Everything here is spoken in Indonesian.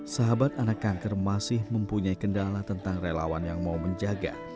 sahabat anak kanker masih mempunyai kendala tentang relawan yang mau menjaga